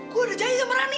gua udah jahit sama rani